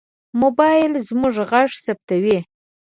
موبایل زموږ غږ ثبتوي.